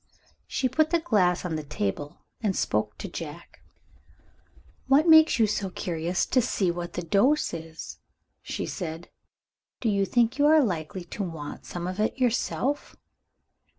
She put the glass on the table, and spoke to Jack. "What makes you so curious to see what the dose is?" she said. "Do you think you are likely to want some of it yourself?"